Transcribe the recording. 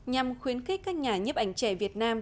nhằm khuyến khích các nhà nhiếp ảnh trẻ việt nam